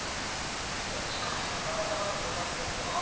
何「しかし」なんて改まった声出してるの。